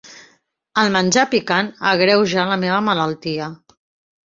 El menjar picant agreuja la meva malaltia.